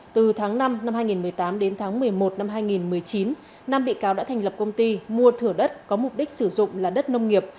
từ tháng năm năm hai nghìn một mươi tám đến tháng một mươi một năm hai nghìn một mươi chín năm bị cáo đã thành lập công ty mua thửa đất có mục đích sử dụng là đất nông nghiệp